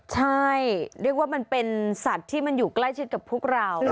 ใช่เรียกว่ามันเป็นสัตว์ที่มันอยู่ใกล้ชิดกับพวกเรา